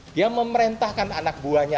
dia memerintahkan anak buahnya